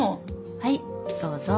はいどうぞ！